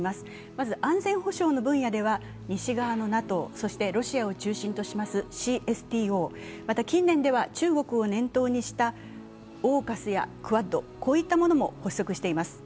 まず、安全保障の分野では西側のＮＡＴＯ、そしてロシアを中心としますＣＳＴＯ、また近年では中国を念頭にしたＡＵＫＵＳやクアッド、こういったものも発足しています。